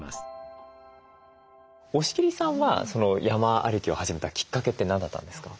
押切さんは山歩きを始めたきっかけって何だったんですか？